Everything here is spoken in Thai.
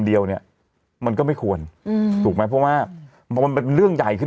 เรารู้สึกว่าโอเค